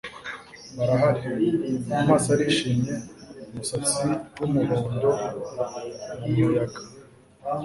barahari, amaso arishimye, umusatsi wumuhondo mumuyaga